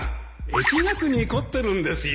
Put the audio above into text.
易学に凝ってるんですよ